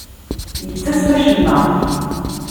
Yettasem acemma.